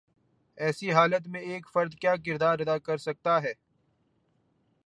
ایسی حالت میں ایک فرد کیا کردار ادا کر سکتا ہے؟